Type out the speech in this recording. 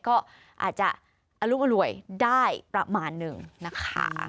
ก็อาจจะอรุอร่วยได้ประมาณหนึ่งนะคะ